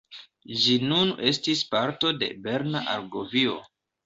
Ĝi nun estis parto de Berna Argovio.